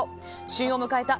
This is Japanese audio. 旬を迎えた